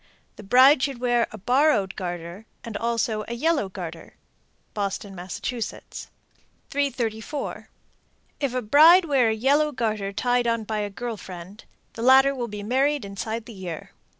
The bride should wear a borrowed garter, and also a yellow garter. Boston, Mass. 334. If a bride wear a yellow garter tied on by a girl friend, the latter will be married inside the year.